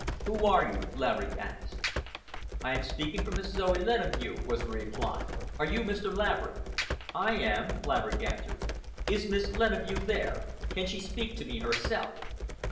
"Who are you?" Laverick asked. "I am speaking for Miss Zoe Leneveu," was the reply. "Are you Mr. Laverick?" "I am," Laverick answered. "Is Miss Leneveu there? Can she speak to me herself?"